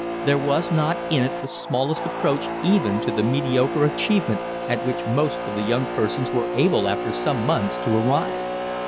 There was not in it the smallest approach even to the mediocre achievement at which most of the young persons were able after some months to arrive.